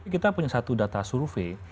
kita punya satu data survei